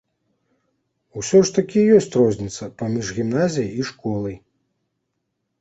Усё ж такі ёсць розніца паміж гімназіяй і школай.